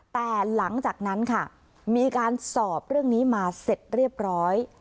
แต่หลังจากนั้นค่ะมีการสอบเรื่องนี้มาเสร็จเรียบร้อย